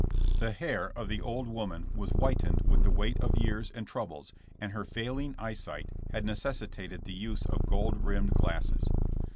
The hair of the old woman was whitened with the weight of years and troubles and her failing eyesight had necessitated the use of gold rimmed glasses.